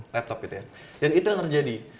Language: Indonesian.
dan itu yang terjadi